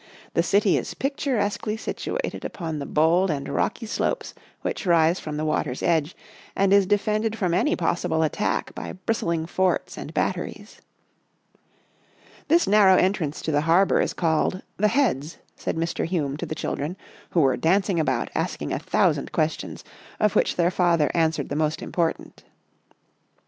The city is pic Sailing to Sydney 15 turesquely situated upon the bold and rocky slopes which rise from the water's edge and is defended from any possible attack by bristling forts and batteries. " This narrow entrance to the harbour is called ' the Heads,' " said Mr. Hume to the children, who were dancing about asking a thou sand questions, of which their father answered the most important.